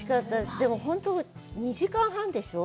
でも、本当、２時間半でしょう？